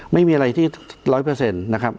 ไม่มีอะไรที่ร้อยเปอร์เซ็นต์